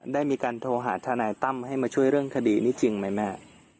ได้มีการโทรหาทนายตั้มให้มาช่วยเรื่องคดีนี้จริงไหมแม่